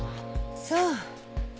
そう。